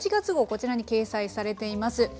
こちらに掲載されています。